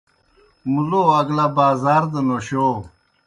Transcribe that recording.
مُلو اگلہ بازار دہ نوشَو۔